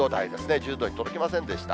１０度に届きませんでした。